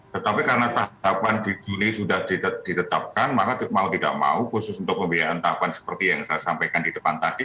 tetapi karena tahapan di juni sudah ditetapkan maka mau tidak mau khusus untuk pembiayaan tahapan seperti yang saya sampaikan di depan tadi